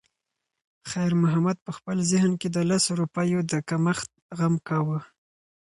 خیر محمد په خپل ذهن کې د لسو روپیو د کمښت غم کاوه.